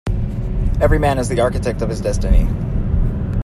Every man is the architect of his destiny.